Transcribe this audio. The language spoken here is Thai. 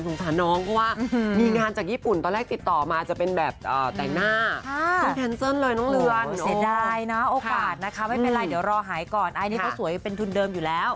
หรือเป็นอะไรที่หนักกว่านี้